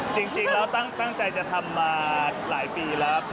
จริงแล้วตั้งใจจะทำมาหลายปีแล้ว